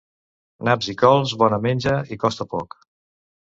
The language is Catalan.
Naps i cols, bona menja i costa poc.